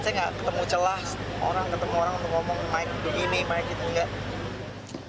saya gak ketemu celah orang ketemu orang untuk ngomong mike begini mike gitu